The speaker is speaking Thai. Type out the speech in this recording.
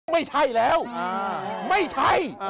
ไม่ใช่แล้วไม่ใช่